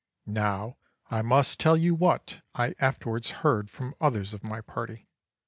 "Now I must tell you what I afterwards heard from others of my party.